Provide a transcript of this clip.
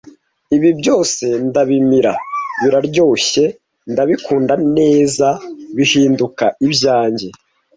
Ibi byose ndabimira, biraryoshye, ndabikunda neza, bihinduka ibyanjye,